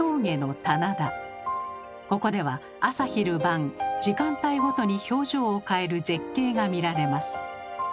ここでは朝昼晩時間帯ごとに表情を変える絶景が見られます。